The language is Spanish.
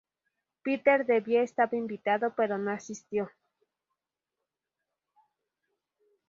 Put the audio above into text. Peter Debye estaba invitado, pero no asistió.